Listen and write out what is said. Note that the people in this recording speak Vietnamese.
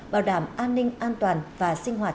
bảo đảm an ninh an toàn và sinh hoạt